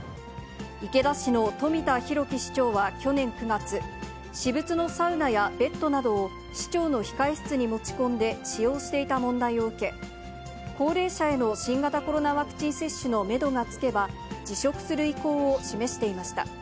池田市の冨田裕樹市長は去年９月、私物のサウナやベッドなどを市長の控え室に持ち込んで使用していた問題を受け、高齢者への新型コロナワクチン接種のメドがつけば、辞職する意向を示していました。